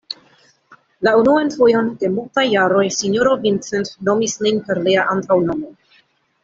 La unuan fojon de multaj jaroj sinjoro Vincent nomis lin per lia antaŭnomo.